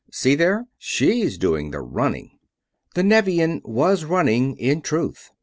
See there? She's doing the running." The Nevian was running, in truth.